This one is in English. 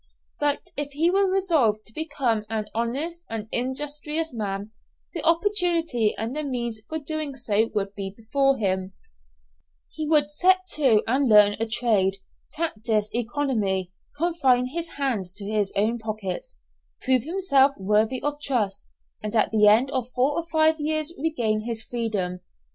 But if he were resolved to become an honest and industrious man, the opportunity and the means for so doing would be before him; he would set to and learn a trade, practice economy, confine his hands to his own pockets, prove himself worthy of trust, and at the end of four or five years regain his freedom.